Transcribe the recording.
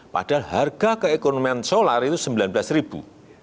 padahal harga keekonomian solar itu sembilan belas ribu